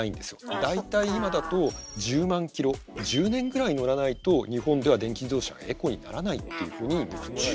大体今だと１０万ｋｍ１０年ぐらい乗らないと日本では電気自動車がエコにならないっていうふうに見積もられてる。